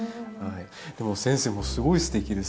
でも先生もすごいすてきです。